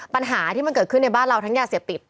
ปัญหาที่มันเกิดขึ้นในบ้านเราทั้งยาเสพติด